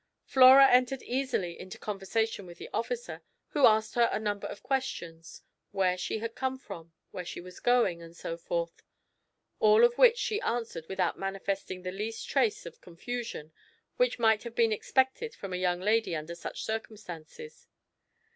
Flora entered easily into conversation with the officer, who asked her a number of questions; where she had come from, where she was going, and so forth; all of which she answered without manifesting the least trace of confusion which might have been expected from a young lady under such circumstances.